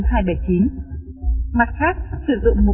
mặt khác sử dụng một bộ phận cán bộ